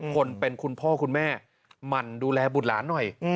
คนเป็นคุณพ่อคุณแม่หมั่นดูแลบุตรหลานหน่อย